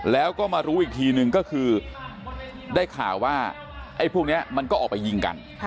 แล้วก็มารู้อีกทีนึงก็คือได้ข่าวว่าไอ้พวกนี้มันก็ออกไปยิงกัน